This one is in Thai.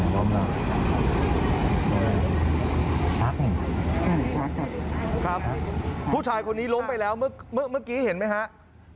ครับผู้ชายคนนี้ล้มไปแล้วเมื่อกี้เห็นไหมครับ